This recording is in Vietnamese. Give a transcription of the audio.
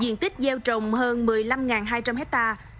diện tích gieo trồng hơn một mươi năm hai trăm linh hectare